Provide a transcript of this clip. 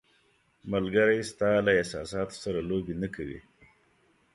ملګری ستا له احساساتو سره لوبې نه کوي.